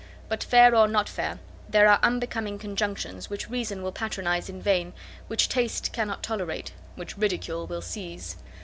But, fair or not fair, there are unbecoming conjunctions, which reason will patronize in vain—which taste cannot tolerate—which ridicule will seize.